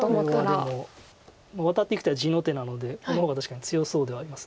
これはでもワタっていく手は地の手なのでこの方が確かに強そうではあります。